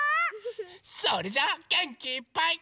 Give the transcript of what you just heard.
それじゃあげんきいっぱい。